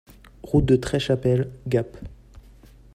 Route de Treschâtel, Gap